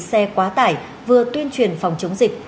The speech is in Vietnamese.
xe quá tải vừa tuyên truyền phòng chống dịch